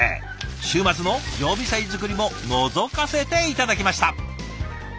週末の常備菜作りものぞかせて頂きました。